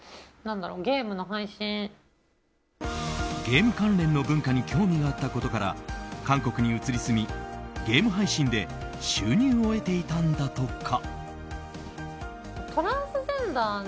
ゲーム関連の文化に興味があったことから韓国に移り住み、ゲーム配信で収入を得ていたんだとか。